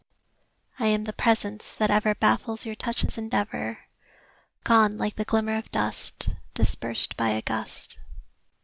I am the presence that ever Baffles your touch's endeavor, Gone like the glimmer of dust Dispersed by a gust.